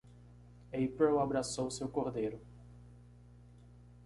April abraçou seu cordeiro.